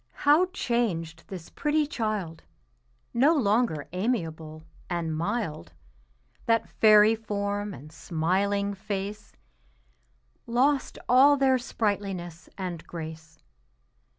how changed this pretty child, No longer amiable and mild. That fairy form and smiling face Lost all their sprightliness and grace.